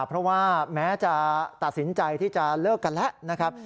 เพราะว่าแม้จะตัดสินใจที่จะเลิกกันแล้วนะครับ